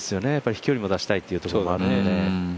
飛距離も出したいというところもあるので。